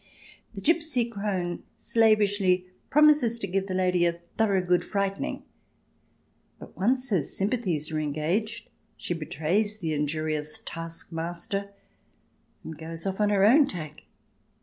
The gipsy crone slavishly promises to give the lady a thorough good frightening, but once her sympathies are engaged she betrays the injurious taskmaster, and goes off" on her own tack.